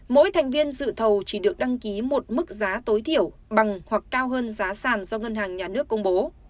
mỗi thành viên dự thầu chỉ được đăng ký một mức giá tối thiểu bằng hoặc cao hơn giá sản do ngân hàng nhà nước công bố